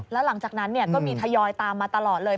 แล้วหลังจากนั้นก็มีทยอยตามมาตลอดเลย